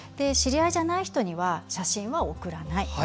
知り合いじゃない人には写真を送らない。